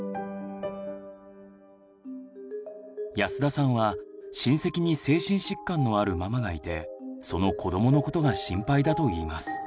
安田さんは親戚に精神疾患のあるママがいてその子どものことが心配だといいます。